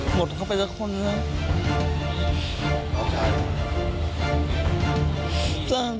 หมดเข้าไปสักคนแล้วอ๋อใช่